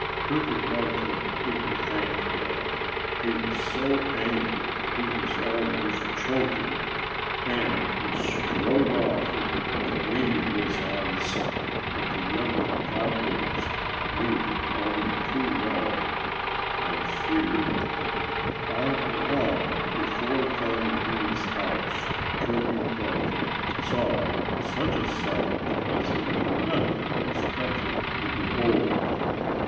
Turkey Proudfoot didn't thank her. He was so angry that he was almost choking. And he strode off with a gleam in his eyes that the younger gobblers knew only too well and feared. [Illustration: The Peacock Ignores Turkey Proudfoot. (Page 67)] On the lawn before Farmer Green's house Turkey Proudfoot saw such a sight as he had never expected to behold.